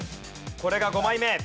これが５枚目。